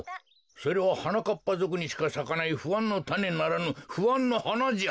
それははなかっぱぞくにしかさかないふあんのたねならぬふあんのはなじゃ。